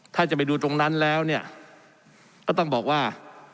ถ้าจะไปดูตรงนั้นแล้วเนี่ยก็ต้องบอกว่า